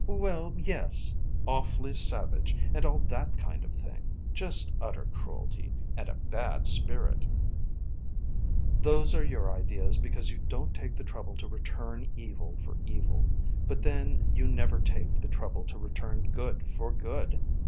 "Well, yes; awfully savage, and all that kind of thing. Just utter cruelty, and a bad spirit." "Those are your ideas because you don't take the trouble to return evil for evil. But then you never take the trouble to return good for good.